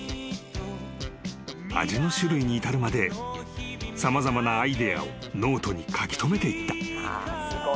［味の種類に至るまで様々なアイデアをノートに書き留めていった］